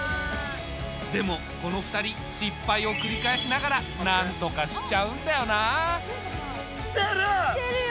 でもこの２人失敗を繰り返しながらなんとかしちゃうんだよなあ。来てる！来てるよこれ！